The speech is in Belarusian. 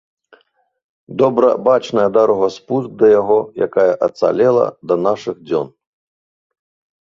Добра бачная дарога-спуск да яго, якая ацалела да нашых дзён.